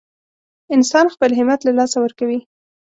انسان خپل همت له لاسه ورکوي.